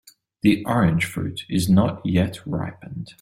The orange fruit is not yet ripened.